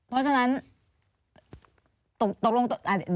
เพราะฉะนั้น